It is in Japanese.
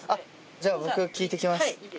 じゃあ僕聞いてきます。